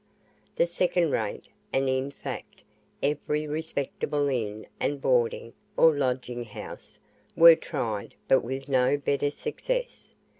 The second rate, and in fact every respectable inn and boarding or lodging house were tried but with no better success.